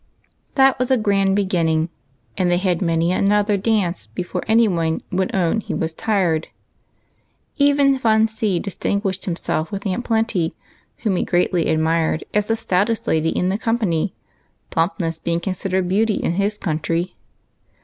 That was a grand beginning, and they had many another dance before any one would own they were tired. Even Fun See distinguished himself with Aunt Plenty, whom he greatly admired as the stoutest lady in the company; plumpness being considered a beauty in his country.